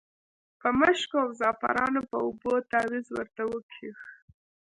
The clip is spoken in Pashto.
په مشکو او زعفرانو په اوبو تاویز ورته وکیښ.